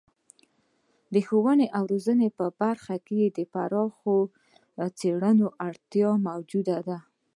د ښوونې او روزنې په برخه کې د پراخو څیړنو اړتیا موجوده ده.